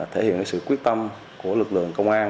thể hiện sự quyết tâm của lực lượng công an